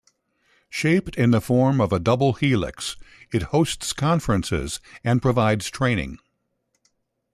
Shaped in the form of a double helix, it hosts conferences and provides training.